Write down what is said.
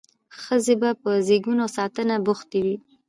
ښځې به په زیږون او ساتنه بوختې وې.